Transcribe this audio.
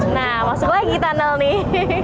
nah masuk lagi tunnel nih